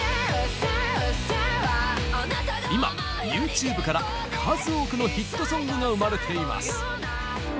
今ＹｏｕＴｕｂｅから数多くのヒットソングが生まれています。